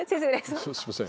すみません。